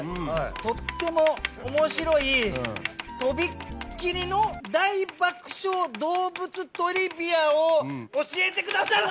とっても面白いとびっきりの大爆笑動物トリビアを教えてください」。